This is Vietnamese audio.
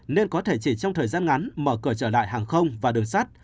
nên có thể chỉ trong thời gian ngắn mở cửa trở lại hàng không và đường sắt